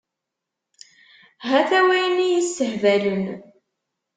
Hata wayen i y-issehbalen.